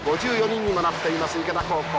５４人にもなっています池田高校。